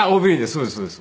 そうですそうです。